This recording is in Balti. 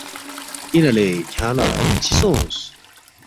اِنا لے کھیانگ لہ چِہ سونگس؟